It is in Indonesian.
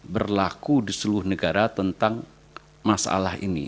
berlaku di seluruh negara tentang masalah ini